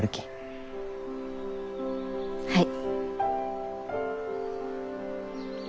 はい。